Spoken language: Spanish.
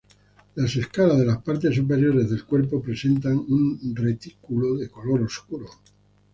Las escalas de las partes superiores del cuerpo presentan un retículo de color oscuro.